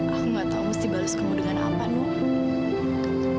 aku gak tahu harus dibalas kamu dengan apa nuk